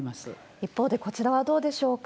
一方で、こちらはどうでしょうか。